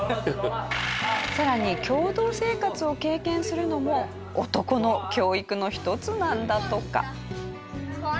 さらに共同生活を経験するのも男の教育の一つなんだとか。